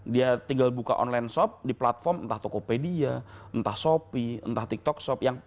dia tinggal buka online shop di platform entah tokopedia entah shopee entah tiktok shop